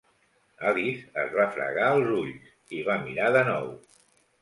Alice es va fregar els ulls, i va mirar de nou.